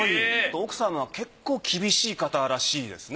奥様が結構厳しい方らしいですね。